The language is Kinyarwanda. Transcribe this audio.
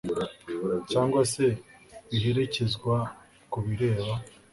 cyangwa se biherekerezwa ku bireba